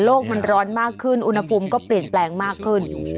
มันร้อนมากขึ้นอุณหภูมิก็เปลี่ยนแปลงมากขึ้น